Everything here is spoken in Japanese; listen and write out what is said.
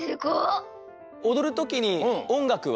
おどるときにおんがくは？